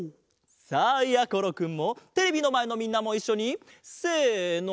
さあやころくんもテレビのまえのみんなもいっしょにせの。